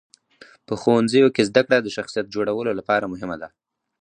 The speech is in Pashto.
په ښوونځیو کې زدهکړه د شخصیت جوړولو لپاره مهمه ده.